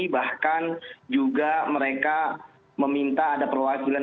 bahkan juga mereka meminta ada perwakilan